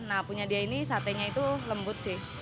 nah punya dia ini satenya itu lembut sih